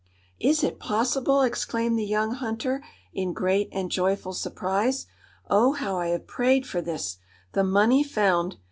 "Is it possible!" exclaimed the young hunter, in great and joyful surprise. "Oh, how I have prayed for this! The money found!